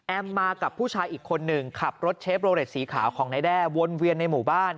มากับผู้ชายอีกคนหนึ่งขับรถเชฟโรเลสสีขาวของนายแด้วนเวียนในหมู่บ้าน